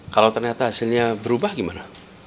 kalau ternyata hasilnya berubah gimana